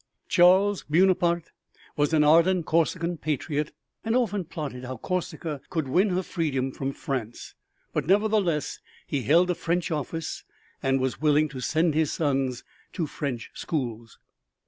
Charles Buonaparte was an ardent Corsican patriot and often plotted how Corsica could win her freedom from France, but nevertheless he held a French office and was willing to send his sons to French schools.